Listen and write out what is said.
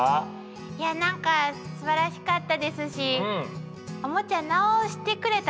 いやなんかすばらしかったですしおもちゃ直してくれた